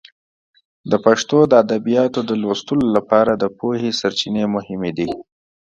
د پښتو د ادبیاتو د لوستلو لپاره د پوهې سرچینې مهمې دي.